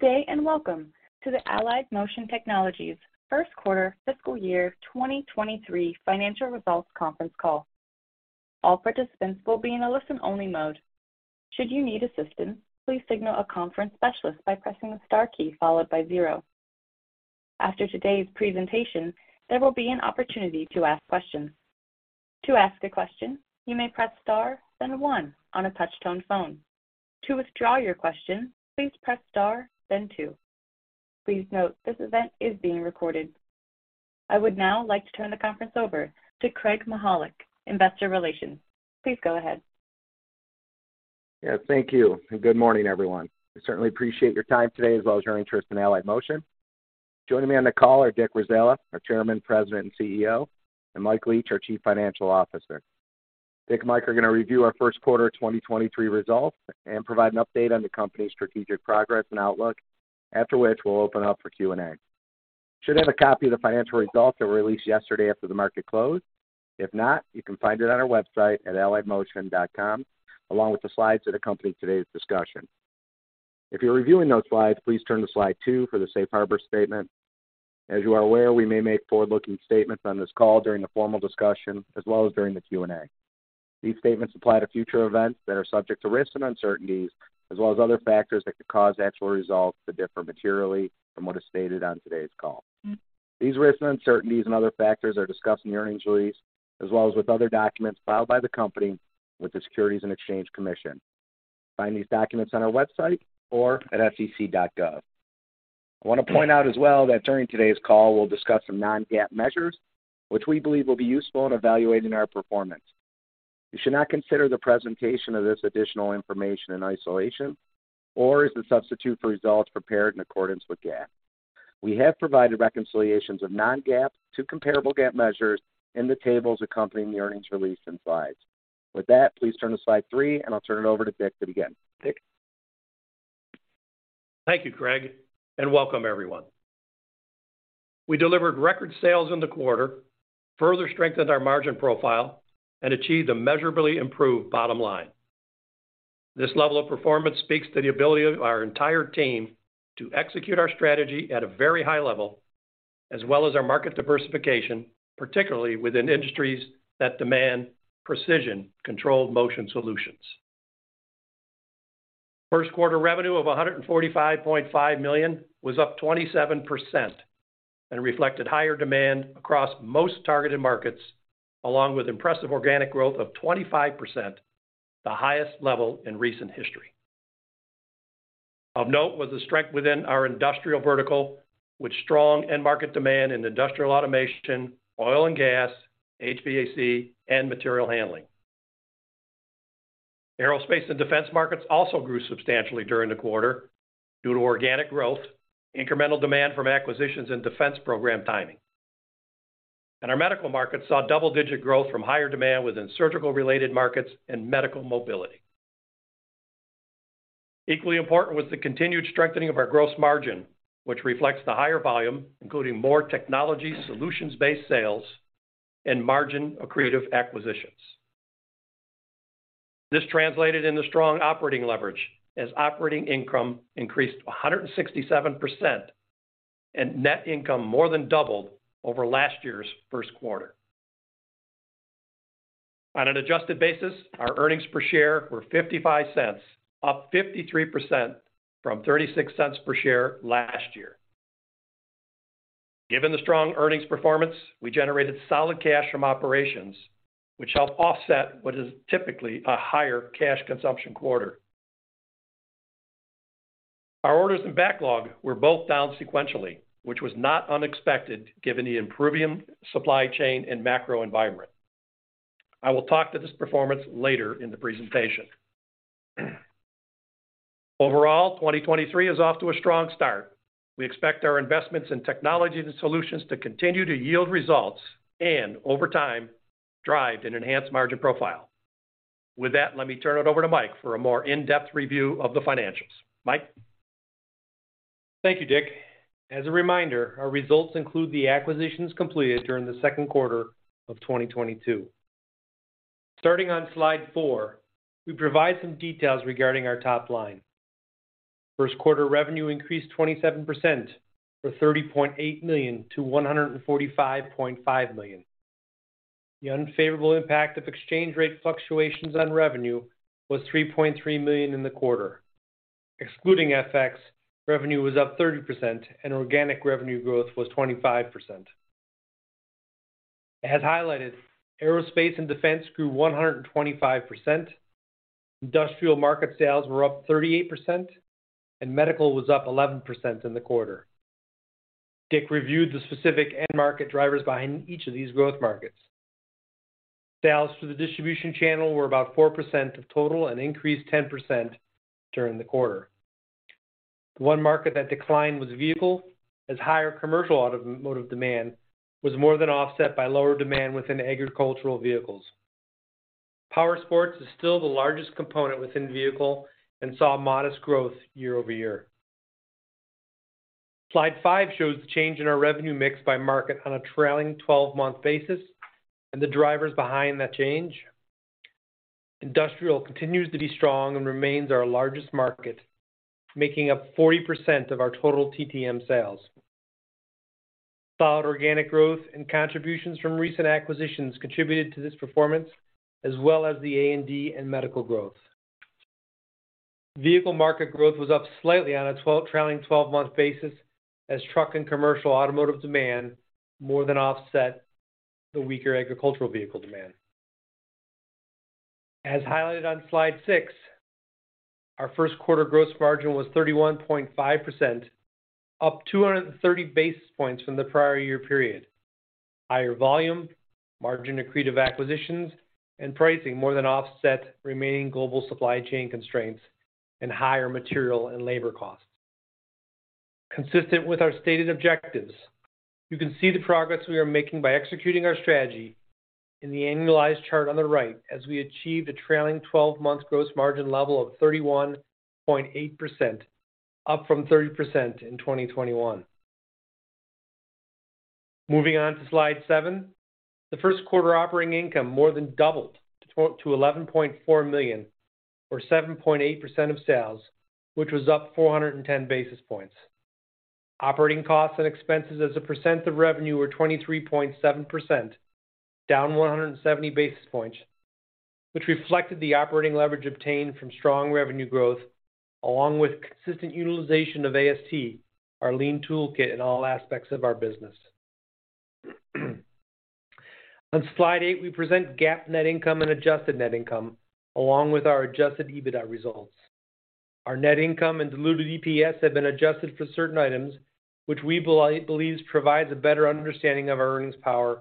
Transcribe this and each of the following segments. Good day, and welcome to the Allied Motion Technologies First Quarter Fiscal Year 2023 Financial Results conference call. All participants will be in a listen-only mode. Should you need assistance, please signal a conference specialist by pressing the star key followed by zero. After today's presentation, there will be an opportunity to ask questions. To ask a question, you may press star, then one on a touch-tone phone. To withdraw your question, please press star, then two. Please note, this event is being recorded. I would now like to turn the conference over to Craig Mychajluk, Investor Relations. Please go ahead. Yeah, thank you, and good morning, everyone. We certainly appreciate your time today as well as your interest in Allied Motion. Joining me on the call are Richard Warzala, our Chairman, President, and CEO, and Michael Leach, our Chief Financial Officer. Dick and Mike are gonna review our first quarter of 2023 results and provide an update on the company's strategic progress and outlook. After which, we'll open up for Q&A. You should have a copy of the financial results that were released yesterday after the market closed. If not, you can find it on our website at alliedmotion.com along with the slides that accompany today's discussion. If you're reviewing those slides, please turn to slide two for the safe harbor statement. As you are aware, we may make forward-looking statements on this call during the formal discussion, as well as during the Q&A. These statements apply to future events that are subject to risks and uncertainties, as well as other factors that could cause actual results to differ materially from what is stated on today's call. These risks and uncertainties and other factors are discussed in the earnings release, as well as with other documents filed by the company with the Securities and Exchange Commission. Find these documents on our website or at sec.gov. I wanna point out as well that during today's call, we'll discuss some non-GAAP measures, which we believe will be useful in evaluating our performance. You should not consider the presentation of this additional information in isolation or as a substitute for results prepared in accordance with GAAP. We have provided reconciliations of non-GAAP to comparable GAAP measures in the tables accompanying the earnings release and slides. With that, please turn to slide three, and I'll turn it over to Dick to begin. Dick? Thank you, Craig, and welcome everyone. We delivered record sales in the quarter, further strengthened our margin profile, and achieved a measurably improved bottom line. This level of performance speaks to the ability of our entire team to execute our strategy at a very high level, as well as our market diversification, particularly within industries that demand precision-controlled motion solutions. First quarter revenue of $145.5 million was up 27% and reflected higher demand across most targeted markets, along with impressive organic growth of 25%, the highest level in recent history. Of note was the strength within our industrial vertical, with strong end market demand in industrial automation, oil and gas, HVAC, and material handling. Aerospace and Defense markets also grew substantially during the quarter due to organic growth, incremental demand from acquisitions and defense program timing. Our medical market saw double-digit growth from higher demand within surgical-related markets and medical mobility. Equally important was the continued strengthening of our gross margin, which reflects the higher volume, including more technology solutions-based sales and margin accretive acquisitions. This translated into strong operating leverage as operating income increased 167% and net income more than doubled over last year's first quarter. On an Adjusted Basis, our earnings per share were $0.55, up 53% from $0.36 per share last year. Given the strong earnings performance, we generated solid cash from operations, which helped offset what is typically a higher cash consumption quarter. Our orders and backlog were both down sequentially, which was not unexpected given the improving supply chain and macro environment. I will talk to this performance later in the presentation. Overall, 2023 is off to a strong start. We expect our investments in technology and solutions to continue to yield results and over time, drive an enhanced margin profile. With that, let me turn it over to Mike for a more in-depth review of the financials. Mike? Thank you, Dick. As a reminder, our results include the acquisitions completed during the second quarter of 2022. Starting on slide four, we provide some details regarding our top line. First quarter revenue increased 27% from $30.8 million-$145.5 million. The unfavorable impact of exchange rate fluctuations on revenue was $3.3 million in the quarter. Excluding FX, revenue was up 30%, and organic revenue growth was 25%. As highlighted, Aerospace and Defense grew 125%. Industrial market sales were up 38%, and medical was up 11% in the quarter. Dick reviewed the specific end market drivers behind each of these growth markets. Sales to the distribution channel were about 4% of total and increased 10% during the quarter. The one market that declined was vehicle, as higher commercial automotive demand was more than offset by lower demand within agricultural vehicles. Powersports is still the largest component within vehicle and saw modest growth year-over-year. Slide five shows the change in our revenue mix by market on a trailing 12-month basis and the drivers behind that change. Industrial continues to be strong and remains our largest market, making up 40% of our total TTM sales. Solid organic growth and contributions from recent acquisitions contributed to this performance, as well as the A&D and medical growth. Vehicle market growth was up slightly on a trailing twelve-month basis as truck and commercial automotive demand more than offset the weaker agricultural vehicle demand. As highlighted on slide six, our first quarter gross margin was 31.5%, up 230 basis points from the prior year period. Higher volume, margin accretive acquisitions, and pricing more than offset remaining global supply chain constraints and higher material and labor costs. Consistent with our stated objectives, you can see the progress we are making by executing our strategy in the annualized chart on the right as we achieve the trailing 12-month gross margin level of 31.8%, up from 30% in 2021. Moving on to slide seven. The first quarter operating income more than doubled to $11.4 million or 7.8% of sales, which was up 410 basis points. Operating costs and expenses as a percent of revenue were 23.7%, down 170 basis points, which reflected the operating leverage obtained from strong revenue growth, along with consistent utilization of AST, our lean toolkit in all aspects of our business. On slide eight, we present GAAP net income and Adjusted Net Income, along with our Adjusted EBITDA results. Our net income and diluted EPS have been adjusted for certain items, which we believes provides a better understanding of our earnings power,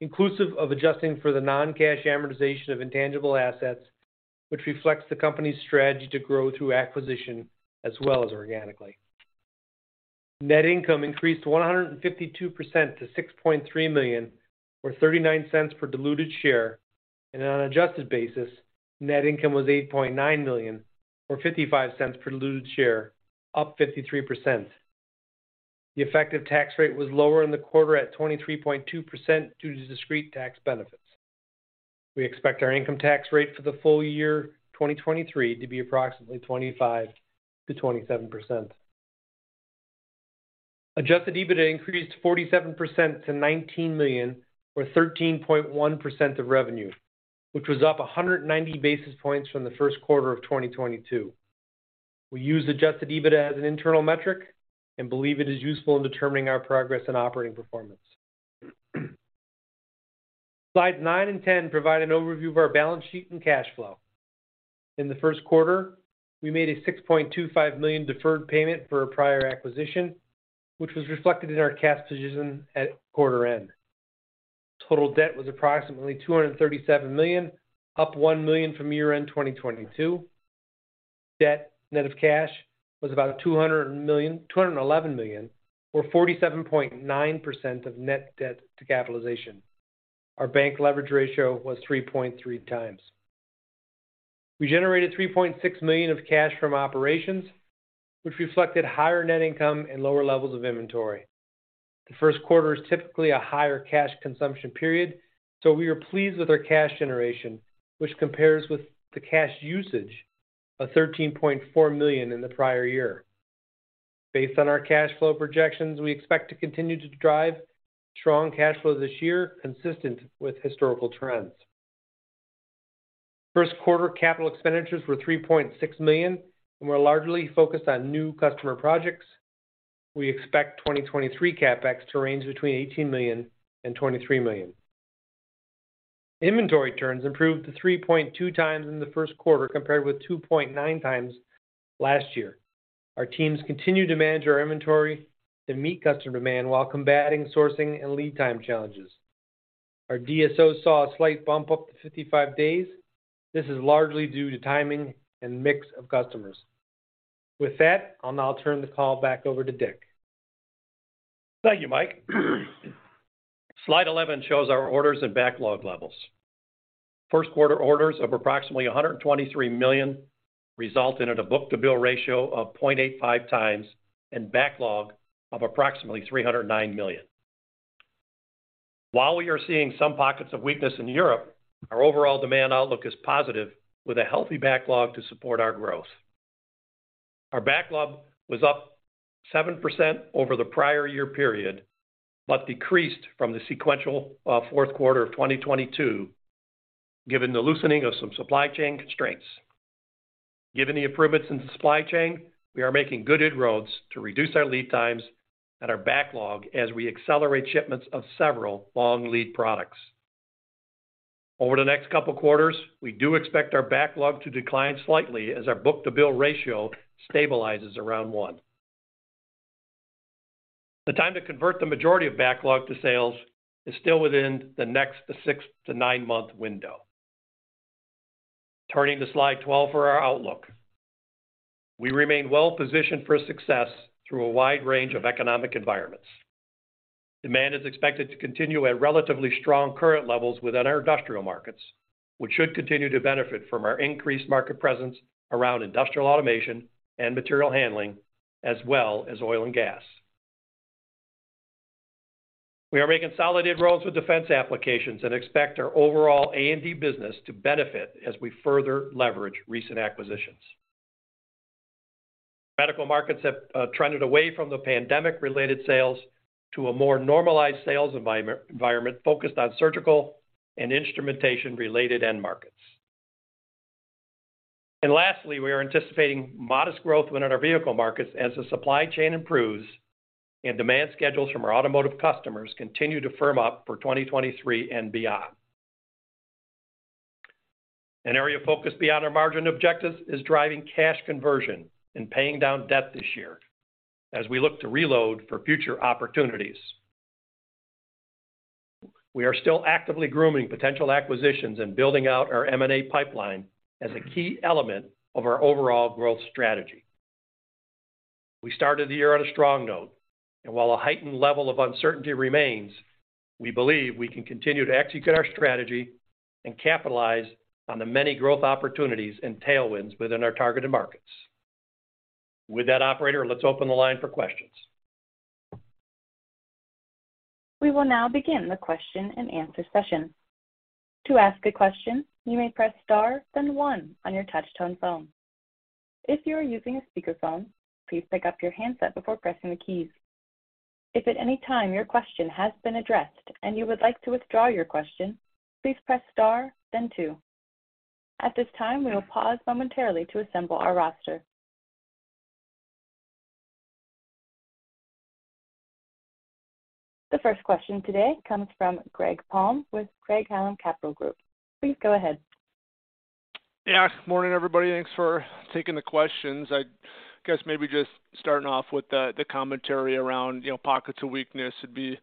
inclusive of adjusting for the non-cash amortization of intangible assets, which reflects the company's strategy to grow through acquisition as well as organically. Net income increased 152% to $6.3 million or $0.39 per diluted share. On an Adjusted Basis, net income was $8.9 million or $0.55 per diluted share, up 53%. The effective tax rate was lower in the quarter at 23.2% due to discrete tax benefits. We expect our income tax rate for the full year 2023 to be approximately 25%-27%. Adjusted EBITDA increased 47% to $19 million or 13.1% of revenue, which was up 190 basis points from the first quarter of 2022. We use Adjusted EBITDA as an internal metric and believe it is useful in determining our progress and operating performance. Slides nine and 10 provide an overview of our balance sheet and cash flow. In the first quarter, we made a $6.25 million deferred payment for a prior acquisition, which was reflected in our cash position at quarter end. Total debt was approximately $237 million, up $1 million from year-end 2022. Debt net of cash was about $211 million or 47.9% of net debt to capitalization. Our bank leverage ratio was 3.3x. We generated $3.6 million of cash from operations, which reflected higher net income and lower levels of inventory. The first quarter is typically a higher cash consumption period. We are pleased with our cash generation, which compares with the cash usage of $13.4 million in the prior year. Based on our cash flow projections, we expect to continue to drive strong cash flow this year, consistent with historical trends. First quarter capital expenditures were $3.6 million and were largely focused on new customer projects. We expect 2023 CapEx to range between $18 million-$23 million. Inventory turns improved to 3.2x in the first quarter compared with 2.9x last year. Our teams continue to manage our inventory to meet customer demand while combating sourcing and lead time challenges. Our DSO saw a slight bump up to 55 days. This is largely due to timing and mix of customers. With that, I'll now turn the call back over to Dick. Thank you, Mike. Slide 11 shows our orders and backlog levels. First quarter orders of approximately $123 million resulted in a book-to-bill ratio of 0.85x and backlog of approximately $309 million. We are seeing some pockets of weakness in Europe, our overall demand outlook is positive with a healthy backlog to support our growth. Our backlog was up 7% over the prior year period. Decreased from the sequential fourth quarter of 2022, given the loosening of some supply chain constraints. Given the improvements in supply chain, we are making good inroads to reduce our lead times and our backlog as we accelerate shipments of several long lead products. Over the next couple quarters, we do expect our backlog to decline slightly as our book-to-bill ratio stabilizes around one. The time to convert the majority of backlog to sales is still within the next 6-9 month window. Turning to slide 12 for our outlook. We remain well positioned for success through a wide range of economic environments. Demand is expected to continue at relatively strong current levels within our industrial markets, which should continue to benefit from our increased market presence around industrial automation and material handling, as well as oil and gas. We are making solid inroads with defense applications and expect our overall A&D business to benefit as we further leverage recent acquisitions. Medical markets have trended away from the pandemic-related sales to a more normalized sales environment focused on surgical and instrumentation-related end markets. Lastly, we are anticipating modest growth within our vehicle markets as the supply chain improves and demand schedules from our automotive customers continue to firm up for 2023 and beyond. An area of focus beyond our margin objectives is driving cash conversion and paying down debt this year as we look to reload for future opportunities. We are still actively grooming potential acquisitions and building out our M&A pipeline as a key element of our overall growth strategy. We started the year on a strong note, and while a heightened level of uncertainty remains, we believe we can continue to execute our strategy and capitalize on the many growth opportunities and tailwinds within our targeted markets. With that, operator, let's open the line for questions. We will now begin the question-and-answer session. To ask a question, you may press star, then one on your touch-tone phone. If you are using a speakerphone, please pick up your handset before pressing the keys. If at any time your question has been addressed and you would like to withdraw your question, please press star then two. At this time, we will pause momentarily to assemble our roster. The first question today comes from Greg Palm with Craig-Hallum Capital Group. Please go ahead. Morning, everybody. Thanks for taking the questions. I guess maybe just starting off with the commentary around, you know, pockets of weakness. It'd be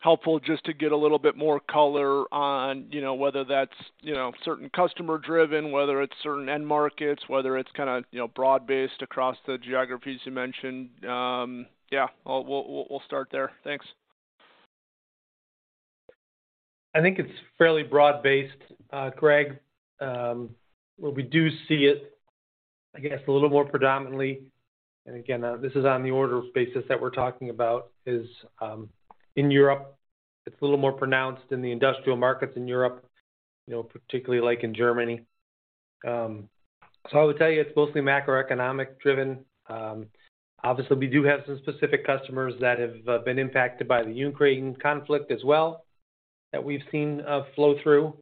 helpful just to get a little bit more color on, you know, whether that's, you know, certain customer-driven, whether it's certain end markets, whether it's kind of, you know, broad-based across the geographies you mentioned. We'll start there. Thanks. I think it's fairly broad-based, Greg. Where we do see it, I guess, a little more predominantly, and again, this is on the orders basis that we're talking about, is in Europe. It's a little more pronounced in the industrial markets in Europe, you know, particularly like in Germany. I would tell you it's mostly macroeconomic-driven. Obviously, we do have some specific customers that have been impacted by the Ukraine conflict as well, that we've seen flow through.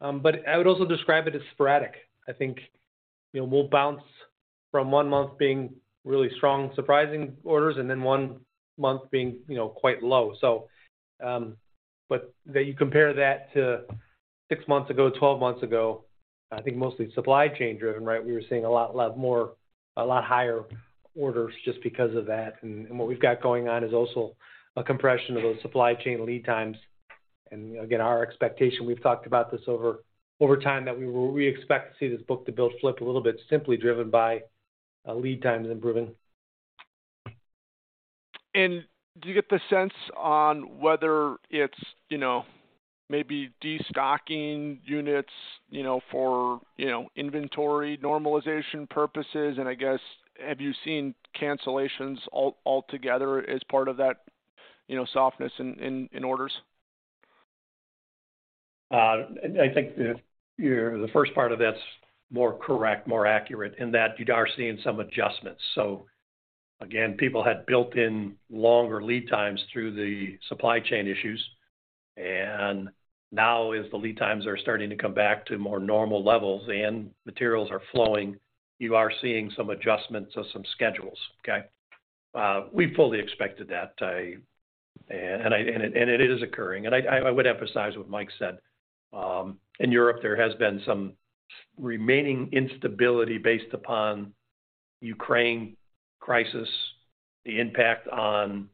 I would also describe it as sporadic. I think, you know, we'll bounce from one month being really strong, surprising orders, and then one month being, you know, quite low. That you compare that to six months ago, 12 months ago, I think mostly supply chain driven, right? We were seeing a lot more, a lot higher orders just because of that. What we've got going on is also a compression of those supply chain lead times. Again, our expectation, we've talked about this over time, that we expect to see this book-to-bill flip a little bit simply driven by lead times improving. Do you get the sense on whether it's, you know, maybe destocking units, you know, for, you know, inventory normalization purposes? I guess, have you seen cancellations altogether as part of that, you know, softness in orders? I think the first part of that's more correct, more accurate in that you are seeing some adjustments. Again, people had built in longer lead times through the supply chain issues, and now as the lead times are starting to come back to more normal levels and materials are flowing, you are seeing some adjustments of some schedules. Okay? We fully expected that. And it is occurring. I would emphasize what Mike said. In Europe, there has been some remaining instability based upon Ukraine crisis, the impact on,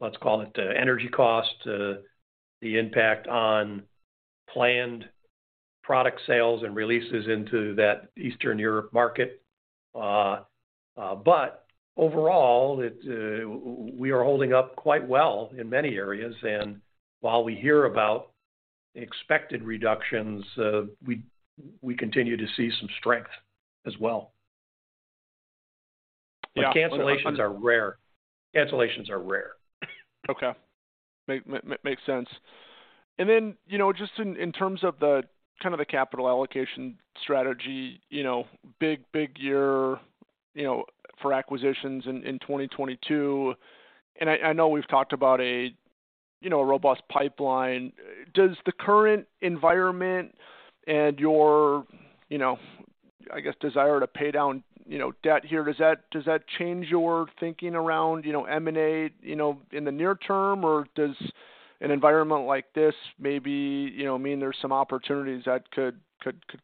let's call it, the energy cost, the impact on planned product sales and releases into that Eastern Europe market. Overall, it, we are holding up quite well in many areas. While we hear about expected reductions, we continue to see some strength as well. Yeah. Cancellations are rare. Okay. Makes sense. You know, just in terms of the kind of the capital allocation strategy, you know, big year, you know, for acquisitions in 2022. I know we've talked about a, you know, a robust pipeline. Does the current environment and your, you know, I guess, desire to pay down, you know, debt here, does that change your thinking around, you know, M&A, you know, in the near term? Does an environment like this maybe, you know, mean there's some opportunities that could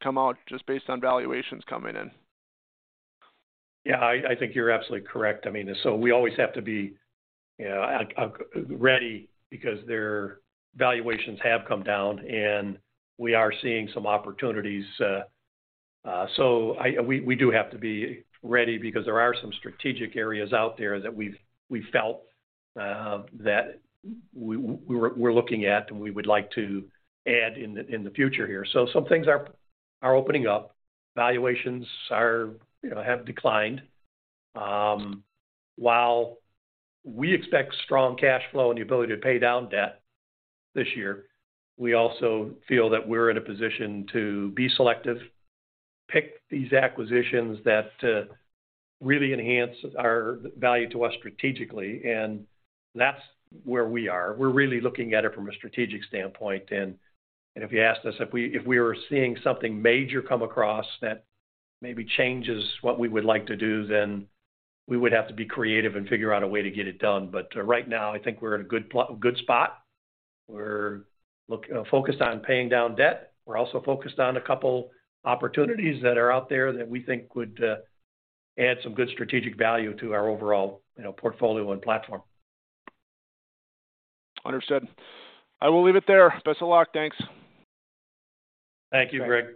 come out just based on valuations coming in? Yeah, I think you're absolutely correct. I mean, we always have to be, you know, ready because their valuations have come down, and we are seeing some opportunities. We do have to be ready because there are some strategic areas out there that we felt, that we're looking at and we would like to add in the, in the future here. Some things are opening up. Valuations are, you know, have declined. While we expect strong cash flow and the ability to pay down debt this year, we also feel that we're in a position to be selective, pick these acquisitions that really enhance our value to us strategically, and that's where we are. We're really looking at it from a strategic standpoint. If you asked us if we were seeing something major come across that maybe changes what we would like to do, we would have to be creative and figure out a way to get it done. Right now, I think we're in a good spot. We're focused on paying down debt. We're also focused on a couple opportunities that are out there that we think would add some good strategic value to our overall, you know, portfolio and platform. Understood. I will leave it there. Best of luck. Thanks. Thank you, Greg.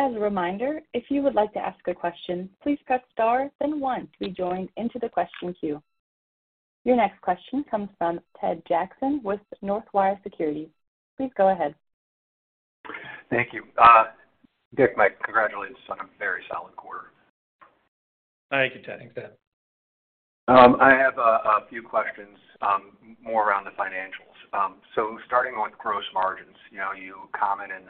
As a reminder, if you would like to ask a question, please press star then one to be joined into the question queue. Your next question comes from Ted Jackson with Northland Securities. Please go ahead. Thank you. Dick, my congratulations on a very solid quarter. Thank you, Ted. Thanks, Ted. I have a few questions, more around the financials. Starting with gross margins, you know, you comment in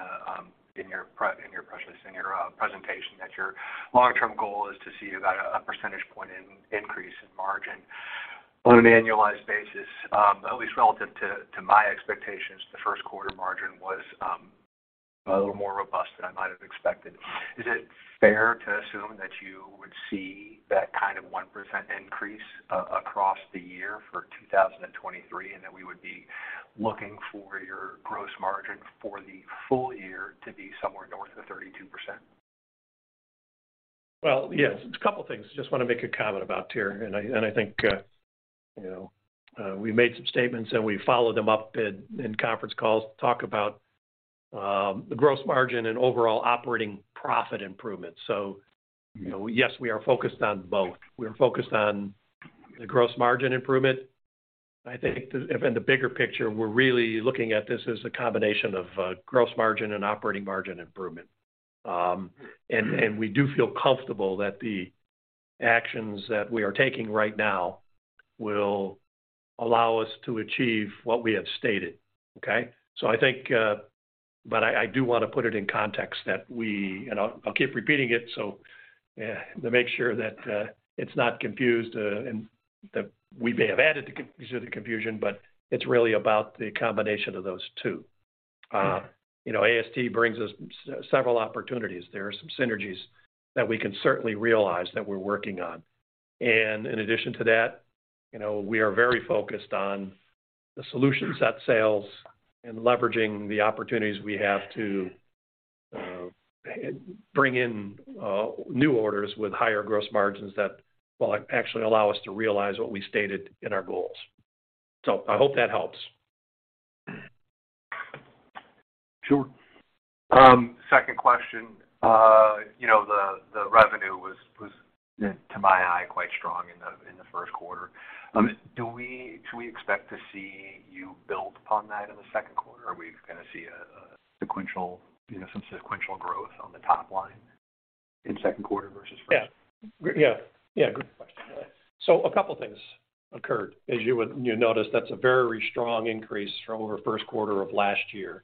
your presentation that your long-term goal is to see about a percentage point increase in margin. On an annualized basis, at least relative to my expectations, the first quarter margin was a little more robust than I might have expected. Is it fair to assume that you would see that kind of 1% increase across the year for 2023, and that we would be looking for your gross margin for the full year to be somewhere north of 32%? Well, yes. A couple things just wanna make a comment about here, and I, and I think, you know, we made some statements, and we followed them up in conference calls to talk about, the gross margin and overall operating profit improvements. You know, yes, we are focused on both. We are focused on the gross margin improvement. I think and the bigger picture, we're really looking at this as a combination of, gross margin and operating margin improvement. And, and we do feel comfortable that the actions that we are taking right now will allow us to achieve what we have stated, okay? I think. I do wanna put it in context that I'll keep repeating it so to make sure that it's not confused and that we may have added to the confusion, but it's really about the combination of those two. You know, AST brings us several opportunities. There are some synergies that we can certainly realize that we're working on. In addition to that, you know, we are very focused on the solution set sales and leveraging the opportunities we have to bring in new orders with higher gross margins that will actually allow us to realize what we stated in our goals. I hope that helps. Sure. Second question. You know, the revenue was, to my eye, quite strong in the first quarter. Should we expect to see you build upon that in the second quarter? Are we gonna see a sequential, you know, some sequential growth on the top line in second quarter versus first? Yeah. Yeah. Yeah, good question. A couple things occurred. As you noticed, that's a very strong increase from over first quarter of last year.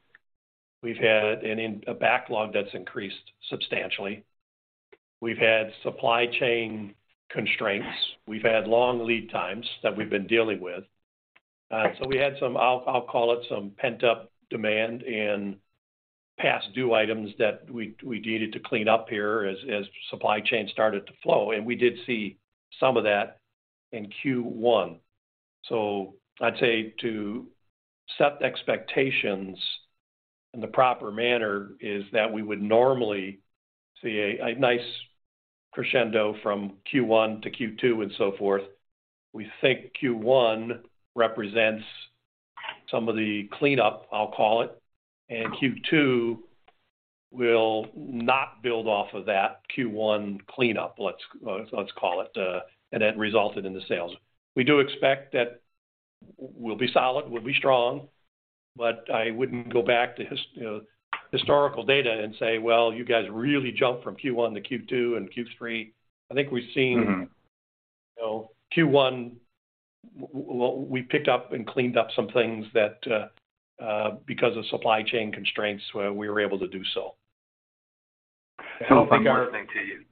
We've had a backlog that's increased substantially. We've had supply chain constraints. We've had long lead times that we've been dealing with. We had some, I'll call it some pent-up demand and past due items that we needed to clean up here as supply chain started to flow, and we did see some of that in Q1. I'd say to set expectations in the proper manner is that we would normally see a nice crescendo from Q1 to Q2 and so forth. We think Q1 represents some of the cleanup, I'll call it, and Q2 will not build off of that Q1 cleanup, let's call it, and then result it in the sales. We do expect that we'll be solid, we'll be strong, but I wouldn't go back to his, you know, historical data and say, "Well, you guys really jumped from Q1 to Q2 and Q3." I think we've seen. Mm-hmm you know, Q1, we picked up and cleaned up some things that, because of supply chain constraints, we were able to do so. If I'm listening to you.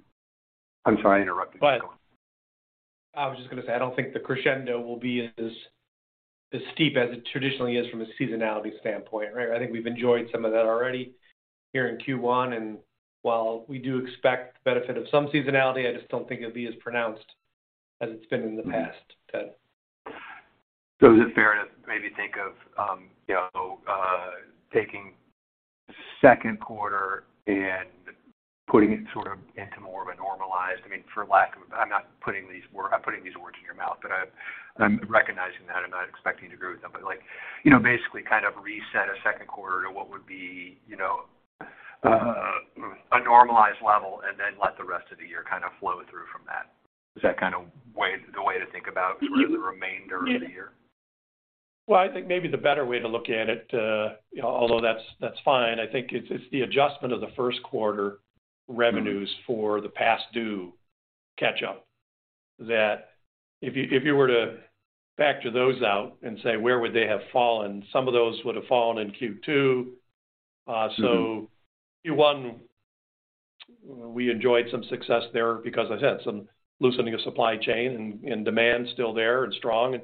I'm sorry, I interrupted. Go on. I was just gonna say, I don't think the crescendo will be as steep as it traditionally is from a seasonality standpoint, right? I think we've enjoyed some of that already here in Q1, and while we do expect benefit of some seasonality, I just don't think it'd be as pronounced as it's been in the past, Ted. Is it fair to maybe think of, you know, taking second quarter and putting it sort of into more of a normalized, I mean, for lack of a better... I'm not putting these words in your mouth, but I'm recognizing that. I'm not expecting you to agree with them. Like, you know, basically kind of reset a second quarter to what would be, you know, a normalized level and then let the rest of the year kind of flow through from that. Is that the way to think about sort of the remainder of the year? I think maybe the better way to look at it, you know, although that's fine, I think it's the adjustment of the first quarter revenues for the past due catch-up, that if you, if you were to factor those out and say, where would they have fallen? Some of those would have fallen in Q2. Q1, we enjoyed some success there because as I said, some loosening of supply chain and demand still there and strong.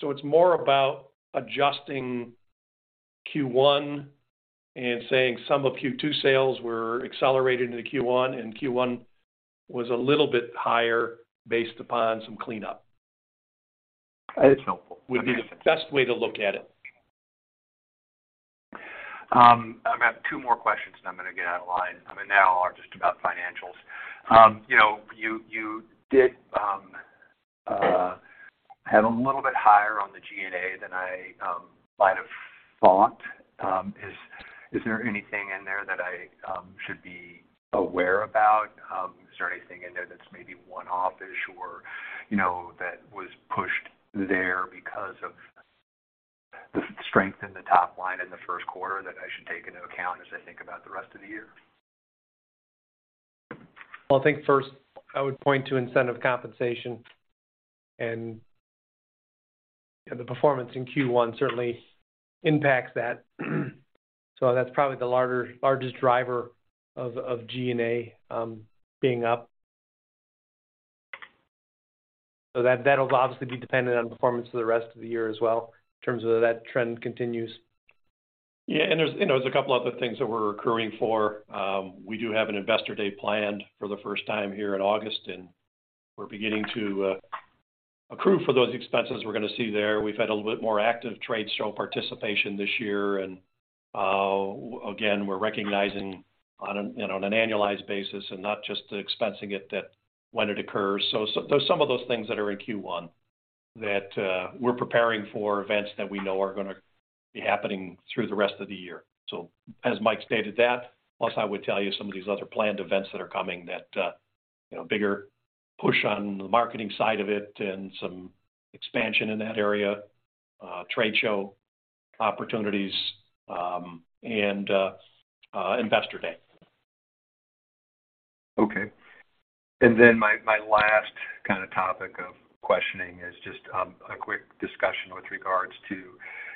It's more about adjusting Q1 and saying some of Q2 sales were accelerated into Q1, and Q1 was a little bit higher based upon some cleanup. That's helpful. Would be the best way to look at it. I have two more questions then I'm gonna get out of line. They all are just about financials. You know, you did have a little bit higher on the G&A than I might have thought. Is there anything in there that I should be aware about? Is there anything in there that's maybe one-off-ish or, you know, that was pushed there because of the strength in the top line in the first quarter that I should take into account as I think about the rest of the year? I think first I would point to incentive compensation, and the performance in Q1 certainly impacts that. That's probably the largest driver of G&A being up. That'll obviously be dependent on performance for the rest of the year as well in terms of that trend continues. Yeah. There's, you know, a couple other things that we're accruing for. We do have an Investor Day planned for the first time here in August, and we're beginning to accrue for those expenses we're gonna see there. We've had a little bit more active trade show participation this year. Again, we're recognizing on an, you know, on an annualized basis and not just expensing it that when it occurs. Those some of those things that are in Q1 that we're preparing for events that we know are gonna be happening through the rest of the year. As Mike stated that, plus I would tell you some of these other planned events that are coming that, you know, bigger push on the marketing side of it and some expansion in that area, trade show opportunities, and Investor Day. Okay. My last kind of topic of questioning is just a quick discussion with regards to,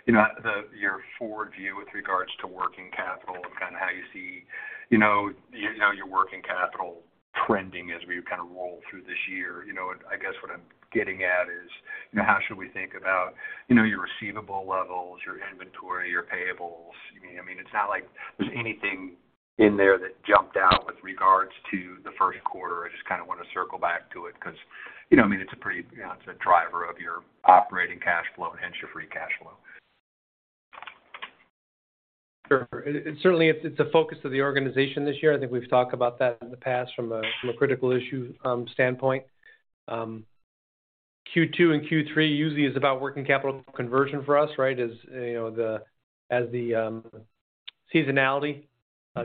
you know, your forward view with regards to working capital and kind of how you see, you know, your working capital trending as we kind of roll through this year. You know, I guess what I'm getting at is, you know, how should we think about, you know, your receivable levels, your inventory, your payables? You know, I mean, it's not like there's anything in there that jumped out with regards to the first quarter. I just kind of want to circle back to it 'cause, you know, I mean, it's a driver of your operating cash flow and hence your Free Cash Flow. Sure. Certainly it's a focus of the organization this year. I think we've talked about that in the past from a, from a critical issue standpoint. Q2 and Q3 usually is about working capital conversion for us, right? As, you know, seasonality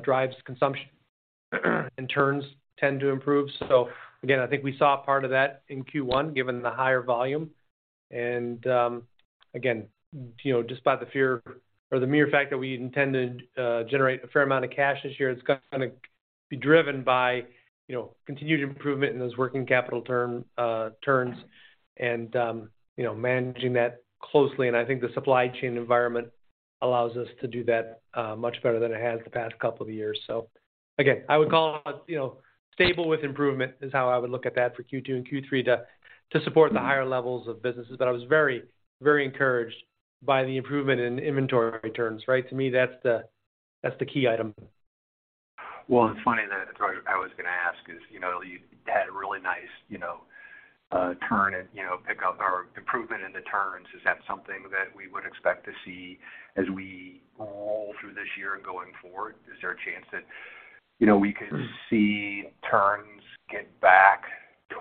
drives consumption and turns tend to improve. Again, I think we saw part of that in Q1, given the higher volume. Again, you know, just by the fear or the mere fact that we intend to generate a fair amount of cash this year, it's gonna be driven by, you know, continued improvement in those working capital term turns and, you know, managing that closely. I think the supply chain environment allows us to do that much better than it has the past couple of years. Again, I would call it, you know, stable with improvement is how I would look at that for Q2 and Q3 to support the higher levels of businesses. I was very, very encouraged by the improvement in inventory terms, right? To me, that's the key item. Well, funny that that's what I was gonna ask is, you know, you had a really nice, you know, turn and, you know, pick up or improvement in the turns. Is that something that we would expect to see as we roll through this year and going forward? Is there a chance that, you know, we could see turns get back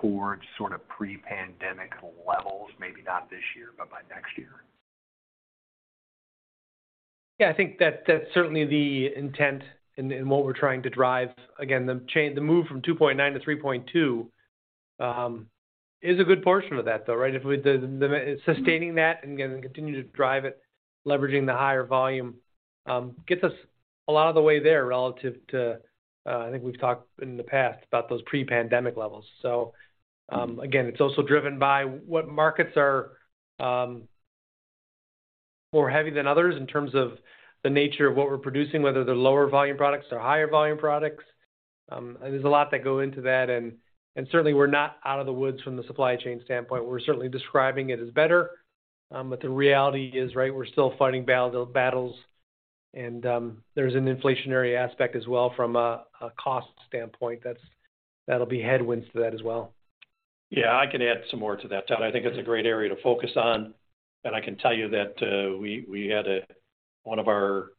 towards sort of pre-pandemic levels, maybe not this year, but by next year? Yeah, I think that that's certainly the intent and what we're trying to drive. The move from 2.9-3.2 is a good portion of that, though, right? If we sustaining that and gonna continue to drive it, leveraging the higher volume gets us a lot of the way there relative to, I think we've talked in the past about those pre-pandemic levels. Again, it's also driven by what markets are more heavy than others in terms of the nature of what we're producing, whether they're lower volume products or higher volume products. There's a lot that go into that. Certainly we're not out of the woods from the supply chain standpoint. We're certainly describing it as better. The reality is, right, we're still fighting battles and there's an inflationary aspect as well from a cost standpoint that'll be headwinds to that as well. Yeah, I can add some more to that, Ted. I think it's a great area to focus on. I can tell you that, we had a, one of our,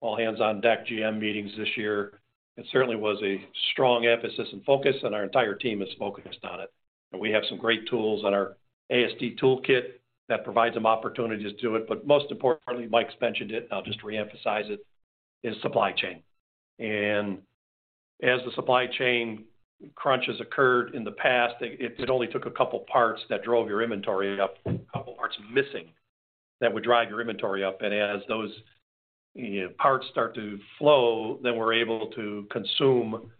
all-hands-on-deck GM meetings this year. It certainly was a strong emphasis and focus, and our entire team is focused on it. We have some great tools on our AST toolkit that provides some opportunities to it. Most importantly, Mike's mentioned it, and I'll just re-emphasize it, is supply chain. As the supply chain crunches occurred in the past, it only took a couple parts that drove your inventory up, a couple parts missing that would drive your inventory up. As those, you know, parts start to flow, then we're able to consume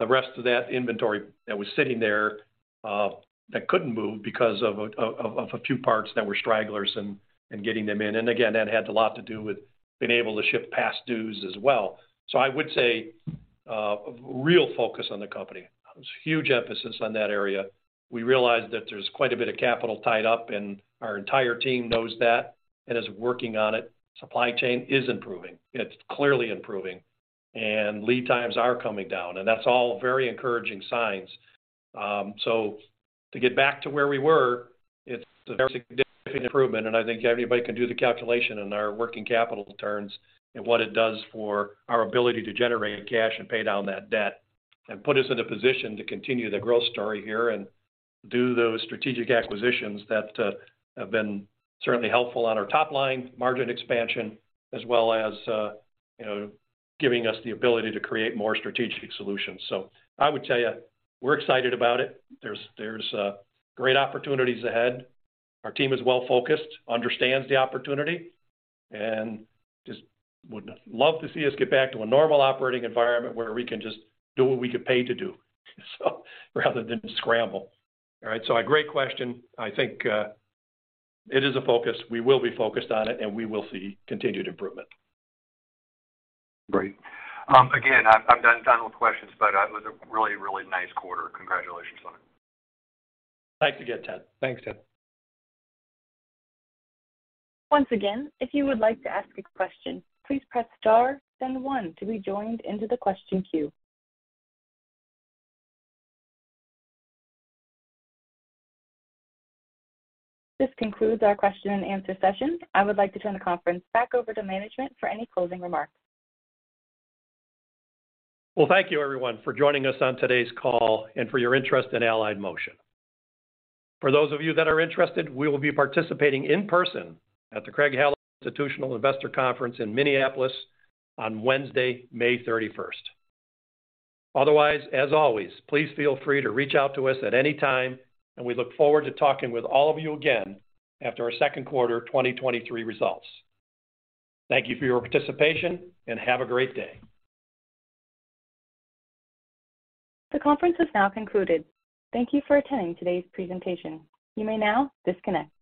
the rest of that inventory that was sitting there, that couldn't move because of a few parts that were stragglers and getting them in. Again, that had a lot to do with being able to ship past dues as well. I would say, real focus on the company. There's huge emphasis on that area. We realized that there's quite a bit of capital tied up, and our entire team knows that and is working on it. Supply chain is improving. It's clearly improving, and lead times are coming down, and that's all very encouraging signs. To get back to where we were, it's a very significant improvement, and I think anybody can do the calculation in our working capital terms and what it does for our ability to generate cash and pay down that debt and put us in a position to continue the growth story here and do those strategic acquisitions that have been certainly helpful on our top line margin expansion as well as, you know, giving us the ability to create more strategic solutions. I would tell you we're excited about it. There's great opportunities ahead. Our team is well-focused, understands the opportunity, and just would love to see us get back to a normal operating environment where we can just do what we get paid to do, so rather than scramble. All right? A great question. I think it is a focus. We will be focused on it, and we will see continued improvement. Great. Again, I'm done with questions. It was a really, really nice quarter. Congratulations on it. Thanks again, Ted. Thanks, Ted. Once again, if you would like to ask a question, please press star then one to be joined into the question queue. This concludes our question and answer session. I would like to turn the conference back over to management for any closing remarks. Well, thank you, everyone, for joining us on today's call and for your interest in Allied Motion. For those of you that are interested, we will be participating in person at the Craig-Hallum Institutional Investor Conference in Minneapolis on Wednesday, May 31st. Otherwise, as always, please feel free to reach out to us at any time, and we look forward to talking with all of you again after our second quarter 2023 results. Thank you for your participation, and have a great day. The conference has now concluded. Thank you for attending today's presentation. You may now disconnect.